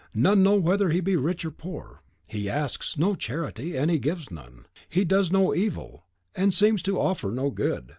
None know whether he be rich or poor. He asks no charity, and he gives none, he does no evil, and seems to confer no good.